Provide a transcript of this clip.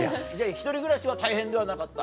１人暮らしは大変ではなかった？